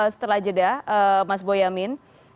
setelah jeda mas boyamin